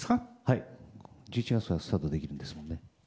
１１月からスタートできるんですよね。